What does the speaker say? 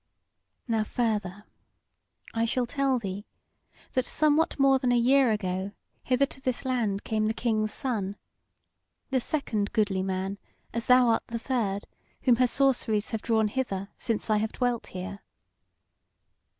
"Now further, I shall tell thee that somewhat more than a year ago hither to this land came the King's Son, the second goodly man, as thou art the third, whom her sorceries have drawn hither since I have dwelt here.